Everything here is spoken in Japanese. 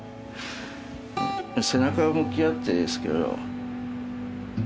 背中向き合ってですけど。